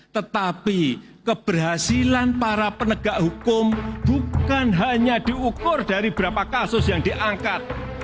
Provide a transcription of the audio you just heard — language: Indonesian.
tetapi keberhasilan para penegak hukum bukan hanya diukur dari berapa kasus yang diangkat